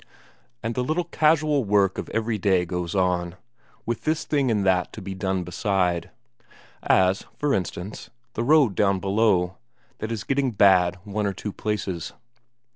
And the little casual work of every day goes on, with this thing and that to be done beside; as, for instance, the road down below, that is getting bad one or two places.